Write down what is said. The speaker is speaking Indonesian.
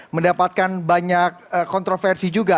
mendapatkan banyak kontroversi juga